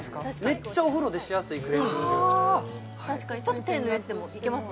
メッチャお風呂でしやすいクレンジング確かにちょっと手濡れててもいけます